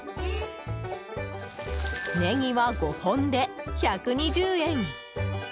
ネギは５本で１２０円。